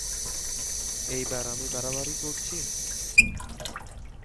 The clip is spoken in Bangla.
এইবার আমি বাড়াবাড়ি করছি?